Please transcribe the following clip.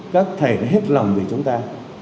các thầy hết lòng về chúng ta